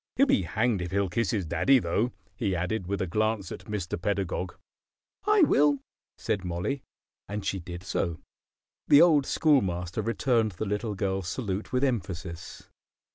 He'll be hanged if he'll kiss his daddy, though!" he added, with a glance at Mr. Pedagog. "I will," said Mollie; and she did so. The old Schoolmaster returned the little girl's salute with emphasis.